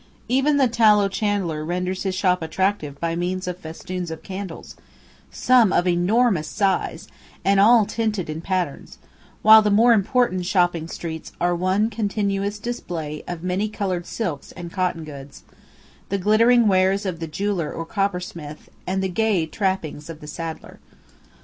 Even the tallow chandler renders his shop attractive by means of festoons of candles, some of enormous size, and all tinted in patterns, while the more important shopping streets are one continuous display of many coloured silks and cotton goods, the glittering wares of the jeweller or coppersmith, and the gay trappings of the saddler.